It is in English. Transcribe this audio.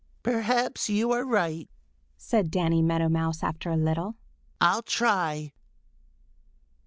"Perhaps you are right," said Danny Meadow Mouse after a little. "I'll try."